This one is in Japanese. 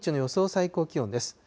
最高気温です。